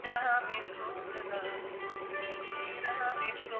Trabaja como seiyu.